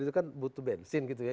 itu kan butuh bensin gitu ya